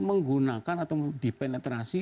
menggunakan atau dipenetrasi